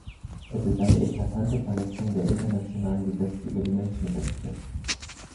Es ist eine eklatante Verletzung der internationalen Gesetze über die Menschenrechte.